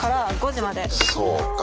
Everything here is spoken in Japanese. そうか。